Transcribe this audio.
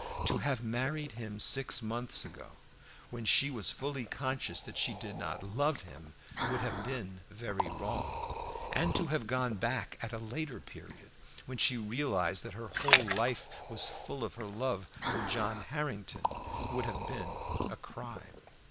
To have married him six months ago, when she was fully conscious that she did not love him, would have been very wrong; and to have gone back at a later period, when she realized that her whole life was full of her love for John Harrington, would have been a crime.